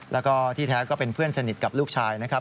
แล้วก็ที่แท้ก็เป็นเพื่อนสนิทกับลูกชายนะครับ